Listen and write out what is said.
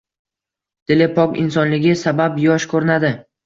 Dili pok insonligi sabab yosh ko`rinadi